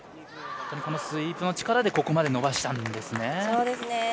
本当にスイープの力でここまで伸ばしたんですね。